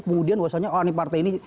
kemudian bahwasannya oh ini partai ini